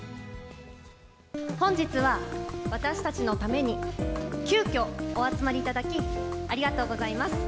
本日は、私たちのために急きょ、お集まりいただき、ありがとうございます。